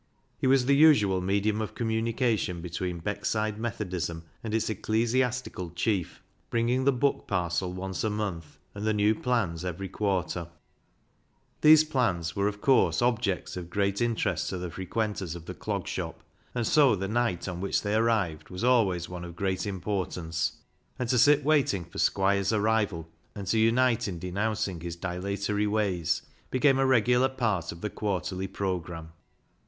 He was the usual medium of communication between Beckside Methodism and its ecclesiastical chief, bringing the book parcel once a month, and the new plans every quarter. These plans were of course objects of great interest to the frequenters of the Clog Shop, and so the night on which they 13 14 BECKSIDE LIGHTS arrived was al \va\'S one of great importance ; and to sit waiting for Squire's arrival, and to unite in denouncing his dilatory ways, became a regular part of the quarterly programme.